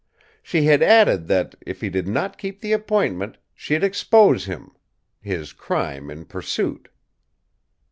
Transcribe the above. She had added that, if he did not keep the appointment, she'd expose him his crime in Pursuit."